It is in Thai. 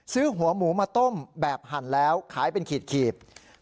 หัวหมูมาต้มแบบหั่นแล้วขายเป็นขีด